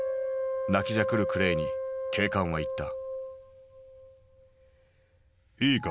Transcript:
泣きじゃくるクレイに警官は言った。